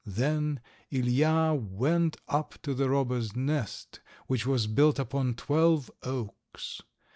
Then Ilija went up to the robber's nest, which was built upon twelve oaks.